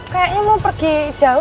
kayaknya mau pergi jauh